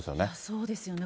そうですよね。